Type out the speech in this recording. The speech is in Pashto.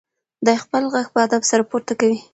دی خپل غږ په ادب سره پورته کوي.